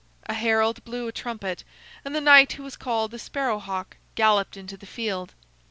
A herald blew a trumpet, and the knight who was called the Sparrow hawk galloped into the field.